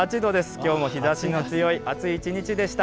きょうも日ざしの強い暑い一日でした。